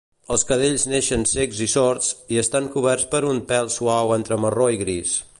Els cadells neixen cecs i sords, i estan coberts per un pel suau entre marró i gris.